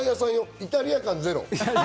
イタリア感ゼロ。